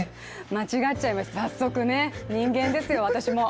間違っちゃいました、早速ね、人間ですよ、私も。